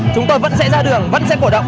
chúng tôi vẫn sẽ ra đường vẫn sẽ cổ động